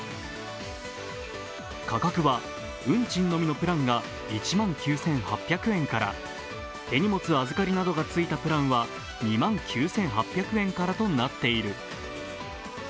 価格は運賃のみのプランが１万９８００円から、手荷物預かりなどがついたプランは２万９８００円からとなっている。